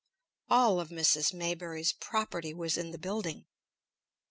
All of Mrs. Maybury's property was in the building.